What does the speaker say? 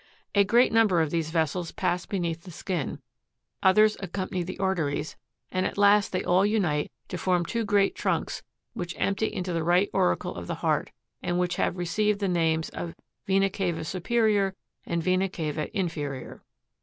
A great number of these vessels pass beneath the skin, others accompany the arteries, and, at last, they all unite to form two great trunks which empty into the right auricle of the heart, and which have received the names of vena cava superior and vena cava inferior, (page 37.